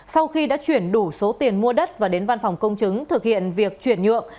sau khi đã chuyển đủ số tiền mua đất và đến văn phòng công chứng thực hiện việc chuyển nhượng